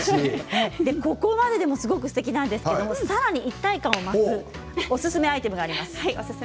ここまででもすごくすてきですがさらに一体化を増すおすすめアイテムがあります。